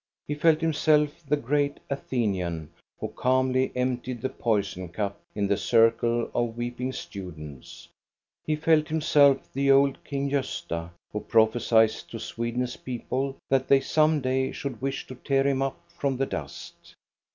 He felt himself the great Athenian, who calmly emptied the poison cup in the circle of weep ing students. He felt himself the old King Gosta, who prophesied to Sweden's people that they some day should wish to tear him up from the dust.